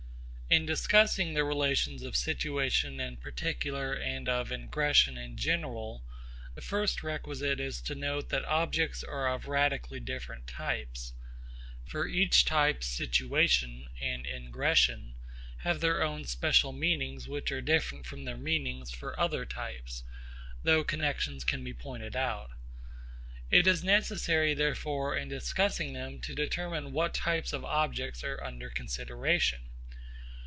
In discussing the relations of situation in particular and of ingression in general, the first requisite is to note that objects are of radically different types. For each type 'situation' and 'ingression' have their own special meanings which are different from their meanings for other types, though connexions can be pointed out. It is necessary therefore in discussing them to determine what type of objects are under consideration.